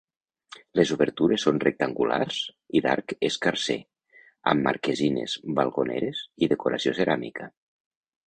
Les obertures són rectangulars i d'arc escarser, amb marquesines, balconeres i decoració ceràmica.